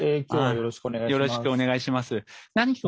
よろしくお願いします。